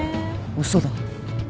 嘘だ。